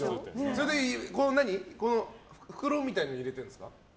それで、袋みたいのに入れてるんですか？